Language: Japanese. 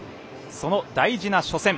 その大事な初戦。